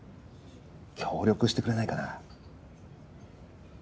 協力してくれないかな。